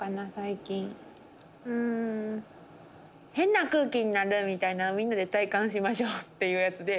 変な空気になるみたいなみんなで体感しましょうっていうやつで。